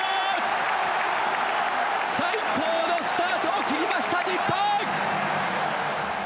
最高のスタートを切りました、日本。